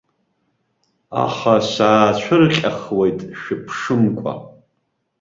Аха саацәырҟьахуеит шәыԥшымкәа.